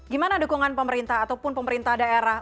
gimana dukungan pemerintah ataupun pemerintah daerah